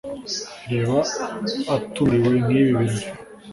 Yaba atumiriwe nkibi birori